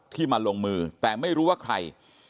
มาลงมือแต่ไม่รู้ว่าใคร